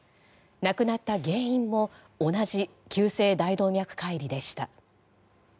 亡くなった原因も同じ急性大動脈解離でした。